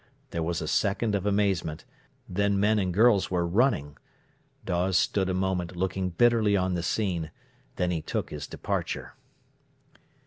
There was a second of amazement; then men and girls were running. Dawes stood a moment looking bitterly on the scene, then he took his departure.